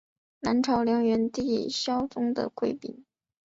南朝梁元帝萧绎的贵嫔。